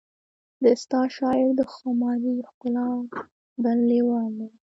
د ستا شاعر د خماري ښکلا بلا لیوال دی